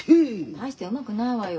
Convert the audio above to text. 大してうまくないわよ。